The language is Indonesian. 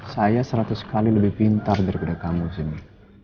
saya seratus kali lebih pintar daripada kamu sini